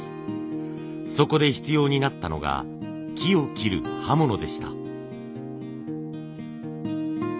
そこで必要になったのが木を切る刃物でした。